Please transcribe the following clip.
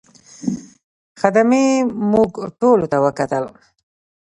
خدمې موږ ټولو ته وکتل.